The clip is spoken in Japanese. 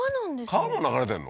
川も流れてんの？